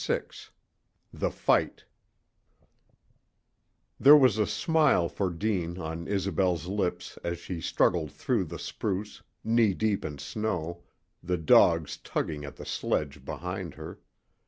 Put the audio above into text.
VI THE FIGHT There was a smile for Deane on Isobel's lips as she struggled through the spruce, knee deep in snow, the dogs tugging at the sledge behind her.